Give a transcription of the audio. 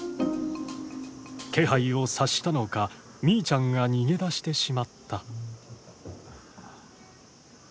気配を察したのかミイちゃんが逃げ出してしまった。